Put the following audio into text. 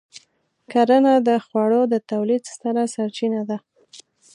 کرنه د خوړو د تولید ستره سرچینه ده.